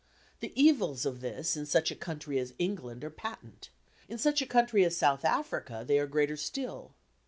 The evils of this in such a country as England are patent; in such a country as South Africa they are greater still.